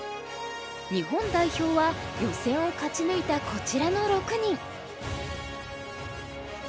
日本代表は予選を勝ち抜いたこちらの６人。